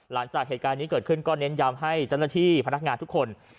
หลังจากเหตุการณ์นี้เกิดขึ้นก็เน้นย้ำให้เจ้าหน้าที่พนักงานทุกคน